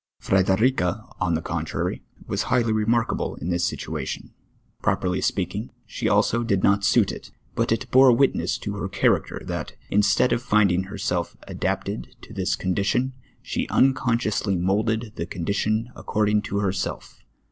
Fredcrica, on the contraiy, was highly remarkable ill this situation. Froperly speaking, she also did not suit it, but it bore M'itncss to her character, that, instead of finding herself ada])ted to this contUtion, she unconsciously moulded the condition according to herself.